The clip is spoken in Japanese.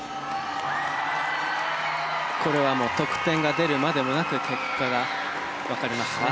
これはもう得点が出るまでもなく結果がわかりますね。